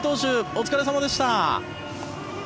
お疲れ様でした。